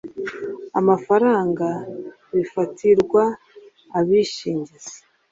amafaranga bifatirwa abishingizi